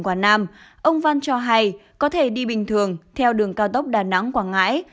quảng nam ông văn cho hay có thể đi bình thường theo đường cao tốc đà nẵng quảng ngãi